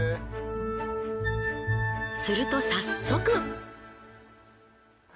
すると早速。